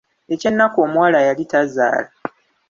Eky'ennaku omuwala yali tazaala.